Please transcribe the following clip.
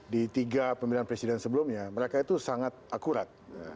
di tiga pemilihan presiden sebelumnya mereka itu sangat akurat